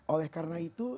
oleh karena itu